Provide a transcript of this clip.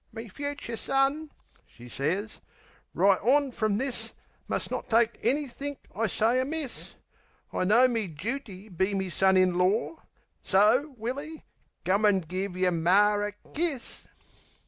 "Me fucher son," she sez, "right on frum this Must not take anythink I say amiss. I know me jooty be me son in lor; So, Willy, come an' give yer Mar a kiss."